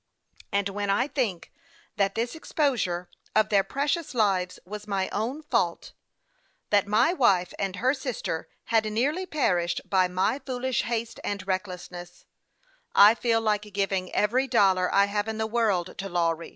And when I think that this exposure of their precious lives was my own fault ; that my wife and her sister had nearly perished by my foolish haste and recklessness, I feel like giving every dollar I have in the world to Lawry.